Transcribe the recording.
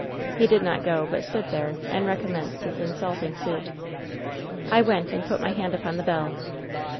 "He did not go, but stood there and recommenced his insulting suit. "I went and put my hand upon the bell.